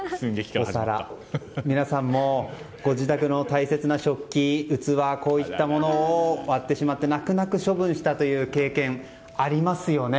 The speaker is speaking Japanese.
皆さんもご自宅の大切な食器、器こういったものを割ってしまって泣く泣く処分したという経験ありますよね。